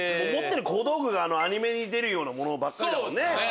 小道具がアニメに出るようなものばっかりだもんね。